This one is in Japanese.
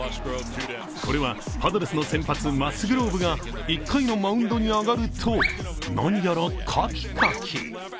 これはパドレスの先発マスグローブが１回のマウンドに上がると、何やら書き書き。